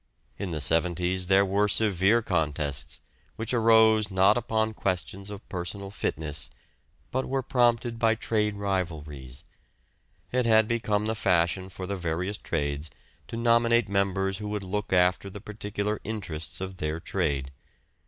In the 'seventies there were severe contests, which arose not upon questions of personal fitness, but were prompted by trade rivalries. It had become the fashion for the various trades to nominate members who would look after the particular interests of their trade.